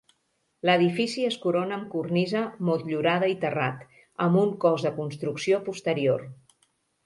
L'edifici es corona amb cornisa motllurada i terrat, amb un cos de construcció posterior.